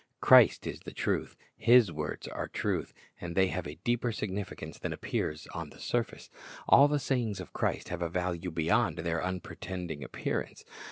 Christ is the truth. His words are truth, and they have a deeper significance than appears on the surface. All the sayings of Christ have a value beyond their unpretending appearance.